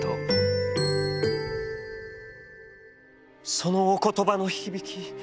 「そのお言葉の響き